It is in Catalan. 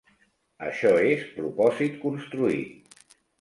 Això és propòsit construït.